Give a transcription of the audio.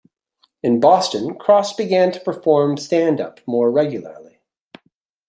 In Boston, Cross began to perform stand-up more regularly.